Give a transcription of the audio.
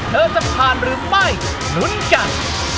จะผ่านหรือไม่ลุ้นกัน